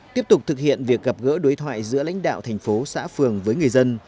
tiếp tục thực hiện việc gặp gỡ đối thoại giữa lãnh đạo thành phố xã phường với người dân